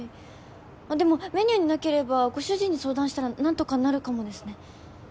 あっでもメニューになければご主人に相談したら何とかなるかもですね。